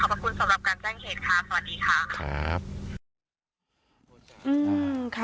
ขอบคุณสำหรับการแจ้งเหตุค่ะสวัสดีค่ะครับ